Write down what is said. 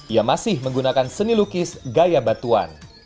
ia masih menggunakan seni lukis gaya batuan